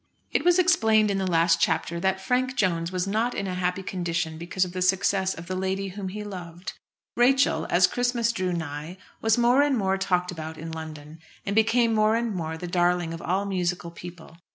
It was explained in the last chapter that Frank Jones was not in a happy condition because of the success of the lady whom he loved. Rachel, as Christmas drew nigh, was more and more talked about in London, and became more and more the darling of all musical people.